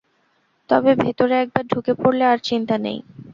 তবে ভেতরে একবার ঢুকে পড়লে আর চিন্তা নেই।